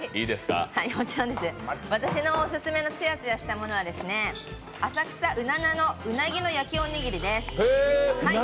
私のオススメのツヤツヤしたものは、浅草うななのうなぎの焼きおにぎりです。